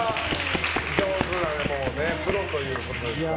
プロということですから。